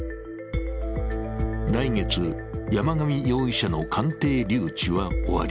来月、山上容疑者の鑑定留置は終わり、